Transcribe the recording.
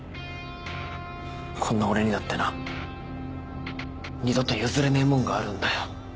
こんな俺にだってな二度と譲れねえもんがあるんだよ。